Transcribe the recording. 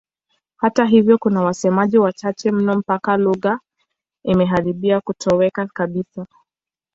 Hata hivyo kuna wasemaji wachache mno mpaka lugha imekaribia kutoweka kabisa.